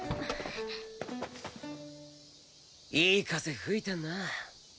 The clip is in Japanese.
いい風吹いてんな。